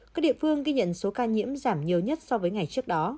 các địa phương ghi nhận số ca nhiễm giảm nhiều nhất so với ngày trước đó